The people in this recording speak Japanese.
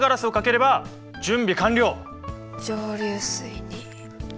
蒸留水に。